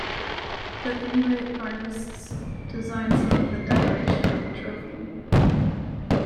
The Inuit artists designed some of the decoration on the trophy.